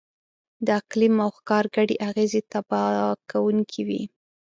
د اقلیم او ښکار ګډې اغېزې تباه کوونکې وې.